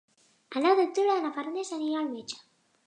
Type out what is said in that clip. El nou d'octubre na Farners anirà al metge.